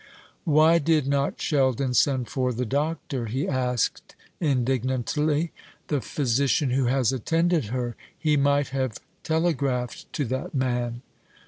"Why did not Sheldon send for the doctor," he asked, indignantly, "the physician who has attended her? He might have telegraphed to that man."